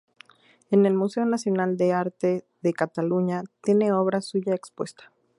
En el Museo Nacional de Arte de Cataluña, tiene obra suya expuesta.